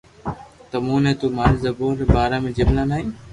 تموني نو ماري زبون ري بارا ۾ جملا ٺائين